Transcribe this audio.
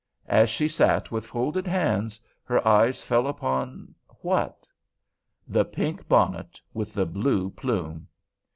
As she sat with folded hands her eyes fell upon—what? The pink bonnet with the blue plume!